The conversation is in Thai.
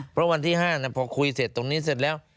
เพราะวันที่๕พอคุยเสร็จตรงนี้เสร็จแล้ว